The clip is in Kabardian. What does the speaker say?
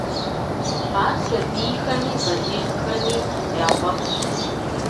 Ар сабийхэми балигъхэми яфӏэфӏщ.